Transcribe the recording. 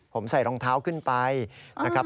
ผมใส่รองเท้าขึ้นไปนะครับ